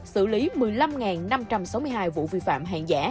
xử lý một mươi năm năm trăm sáu mươi hai vụ vi phạm hàng giả